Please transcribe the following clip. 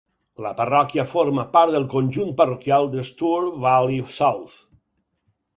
La parròquia forma part del conjunt parroquial de Stour Valley South.